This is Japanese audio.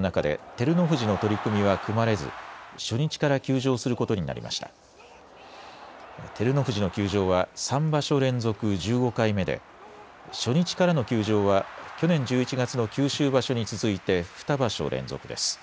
照ノ富士の休場は３場所連続１５回目で、初日からの休場は去年１１月の九州場所に続いて２場所連続です。